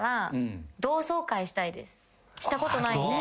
したことないんで。